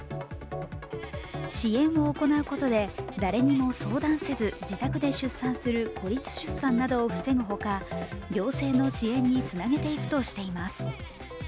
支援を行うことで、誰にも相談せず自宅で出産する孤立出産などを防ぐほか、行政の支援につなげていくとしています。